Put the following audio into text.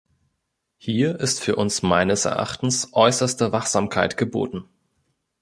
Hier ist für uns meines Erachtens äußerste Wachsamkeit geboten.